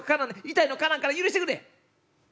痛いのかなわんから許してくれ」。